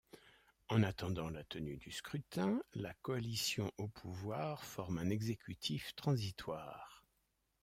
En attendant la tenue du scrutin, la coalition au pouvoir forme un exécutif transitoire.